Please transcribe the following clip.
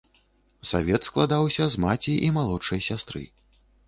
Савет складаўся з маці і малодшай сястры.